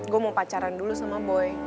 gue mau pacaran dulu sama boy